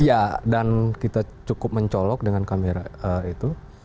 iya dan kita cukup mencolok dengan kamera itu